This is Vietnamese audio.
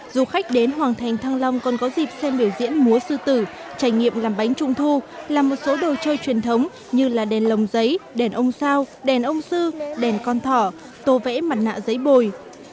du khách đến hoàng thành thăng long còn có dịp xem biểu diễn múa sư tử trải nghiệm làm bánh trung thu làm một số đồ chơi truyền thống như là đèn lồng giấy đèn ông sao đèn ông sư đèn con thỏ tô vẽ mặt nạ giấy bồi